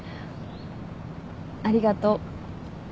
ありがとう。